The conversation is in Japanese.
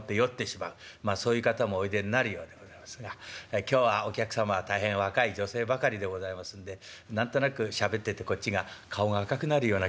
そういう方もおいでになるようでございますが今日はお客様は大変若い女性ばかりでございますんで何となくしゃべっててこっちが顔が赤くなるような気もいたしますですがこれは飲んでるわけじゃございません。